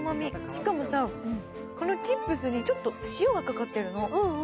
しかも、このチップスに少し塩がかかってるの。